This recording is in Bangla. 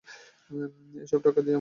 এসব টাকা আমাদের বিভিন্ন ব্যাংকে ছিল।